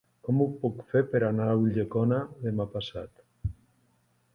Com ho puc fer per anar a Ulldecona demà passat?